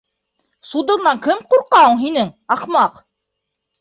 Судыңдан кем ҡурҡа һуң һинең, ахмаҡ.